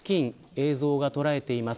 映像が捉えています。